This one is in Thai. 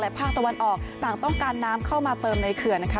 ภาคตะวันออกต่างต้องการน้ำเข้ามาเติมในเขื่อนนะคะ